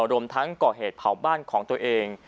รวมทั้งก่อเหตุเผาบ้านของตัวเอง